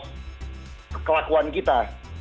orang mencontoh kelakuan kita